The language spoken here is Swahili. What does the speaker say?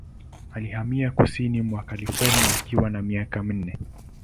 Alihamia kusini mwa California akiwa na miaka minne.